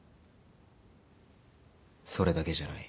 それだけじゃない。